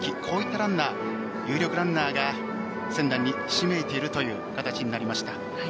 こういったランナー有力ランナーがひしめいているという形になりました。